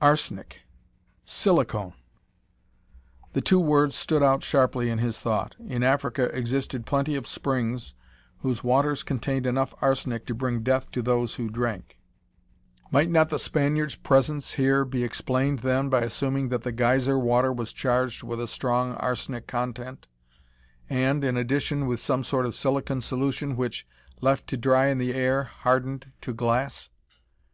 Arsenic! Silicon! The two words stood out sharply in his thought. In Africa existed plenty of springs whose waters contained enough arsenic to bring death to those who drank. Might not the Spaniard's presence here be explained, then, by assuming that the geyser water was charged with a strong arsenic content, and, in addition, with some sort of silicon solution which, left to dry in the air, hardened to glass?